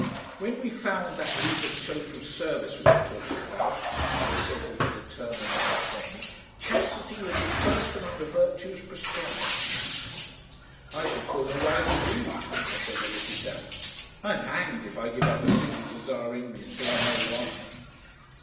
When we found that League of Social Service we were talking about," he said with a determined eye upon me, "chastity will be first among the virtues prescribed." "I shall form a rival league," I said a little damped. "I'm hanged if I give up a single desire in me until I know why."